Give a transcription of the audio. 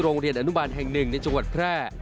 โรงเรียนอนุบาลแห่งหนึ่งในจังหวัดแพร่